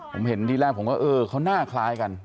ผมเห็นที่แรกผมก็เออเขาหน้าคล้ายกัน